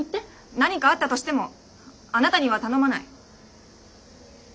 何かあったとしてもあなたには頼まない。